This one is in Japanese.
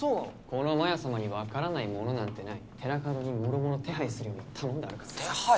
このマヤさまにわからないものなんてない寺門にもろもろ手配するように頼んであるから手配？